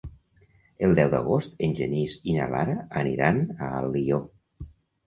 El deu d'agost en Genís i na Lara aniran a Alió.